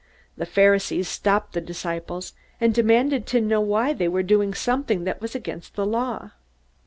The Pharisees stopped the disciples, and demanded to know why they were doing something that was against the Law.